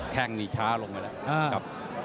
แข้งนี่ช้าลงได้แล้วเออ